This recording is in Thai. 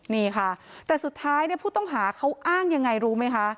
นี่ค่ะแต่สุดท้ายผู้ต้องหาเขาอ้างยังไงรู้ไหมคะ